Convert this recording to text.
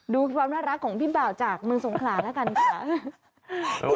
ดูความน่ารักของพี่บ่าวจากเมืองสงขลาแล้วกันค่ะ